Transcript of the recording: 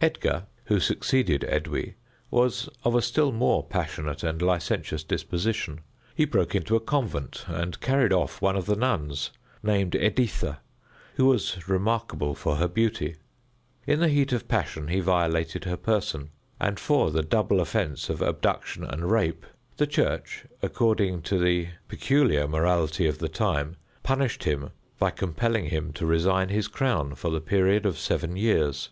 Edgar, who succeeded Edwy, was of a still more passionate and licentious disposition. He broke into a convent, and carried off one of the nuns, named Editha, who was remarkable for her beauty. In the heat of passion, he violated her person; and for the double offense of abduction and rape, the Church, according to the peculiar morality of the times, punished him by compelling him to resign his crown for the period of seven years.